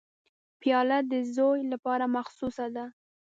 پیاله د زوی لپاره مخصوصه ده.